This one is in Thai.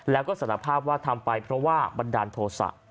แล้วก็สารภาพว่าทำไปเพราะว่าบันดาลโทษะ